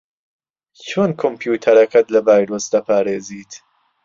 چۆن کۆمپیوتەرەکەت لە ڤایرۆس دەپارێزیت؟